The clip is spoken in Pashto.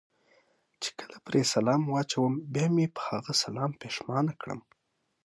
چې کله پرې سلام واچوم بیا مې په هغه سلام پښېمانه کړم.